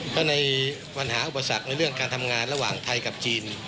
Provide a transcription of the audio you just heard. ก็ในปัญหาอุปสรรคในเรื่องการทำงานระหว่างไทยกับจีน